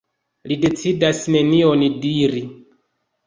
Li decidas nenion diri.